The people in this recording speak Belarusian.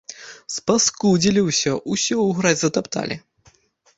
Спаскудзілі ўсё, усё ў гразь затапталі.